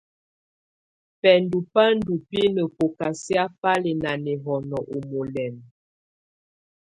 Bəndú ba ndɔ binə bɔkasɛa ba lɛ́ na nɛhɔ́nɔ u mɔlɛmb.